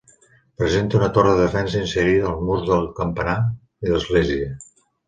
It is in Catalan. Presenta una torre de defensa inserida als murs del campanar i l'església.